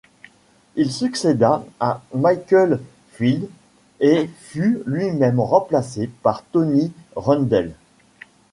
Il succéda à Michael Field et fut lui-même remplacé par Tony Rundle.